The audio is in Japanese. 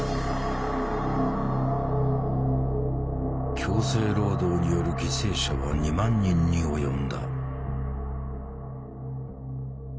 強制労働による犠牲者は２万人に及んだ。